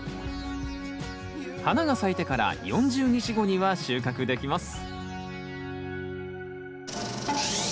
花が咲いてから４０日後には収穫できます。